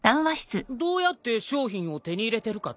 どうやって商品を手に入れてるかって？